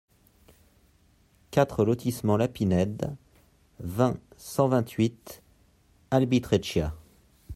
quatre lotissement La Pinède, vingt, cent vingt-huit, Albitreccia